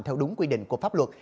theo đúng quy định của pháp luật